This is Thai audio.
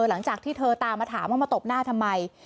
หลังจากที่เธอตามมาถามว่ามาตบหน้าทำไม